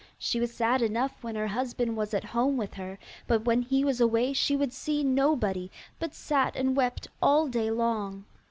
She was sad enough when her husband was at home with her, but when he was away she would see nobody, but sat and wept all day long.